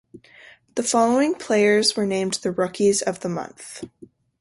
The following players were named the Rookies of the Month.